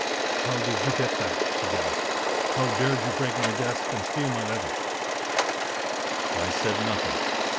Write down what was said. "How did you get that?" she gasped. "How dared you break my desk and steal my letter?" I said nothing.